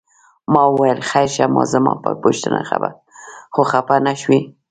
ما وویل خیر شه زما په پوښتنه خو خپه نه شوې؟